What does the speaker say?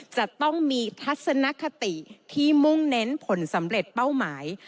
จะต้องมีทัศนคติที่มุ่งเน้นผลสำเร็จเป้าหมาย